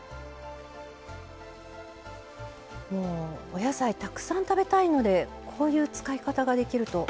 お野菜たくさん食べたいのでこういう使い方ができると。